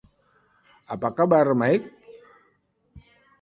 Apa kabar, Mike?